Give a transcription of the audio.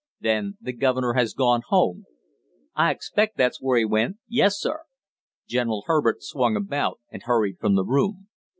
"Then the governor has gone home?" "I expect that's where he went, yes, sir." General Herbert swung about and hurried from the room.